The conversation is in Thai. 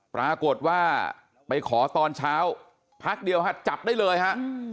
ปรากฏว่าไปขอตอนเช้าพักเดียวฮะจับได้เลยฮะ